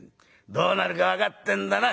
どうなるか分かってんだな？